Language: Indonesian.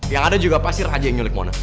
yang ada juga pasti raja yang nyulik monas